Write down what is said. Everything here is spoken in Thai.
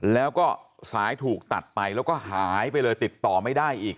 แล้วก็สายถูกตัดไปแล้วก็หายไปเลยติดต่อไม่ได้อีก